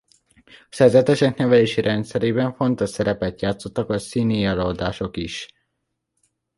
A szerzetesek nevelési rendszerében fontos szerepet játszottak a színielőadások is.